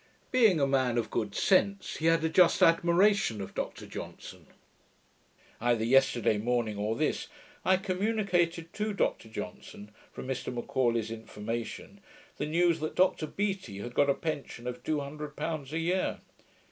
Being a man of good sense, he had a just admiration of Dr Johnson. Either yesterday morning, or this, I communicated to Dr Johnson, from Mr M'Aulay's information, the news that Dr Beattie had got a pension of two hundred pounds a year.